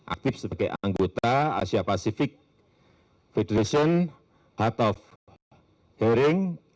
aktif sebagai anggota asia pacific federation head of hearing